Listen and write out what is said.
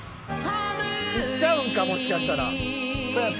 いっちゃうんかもしかしたら。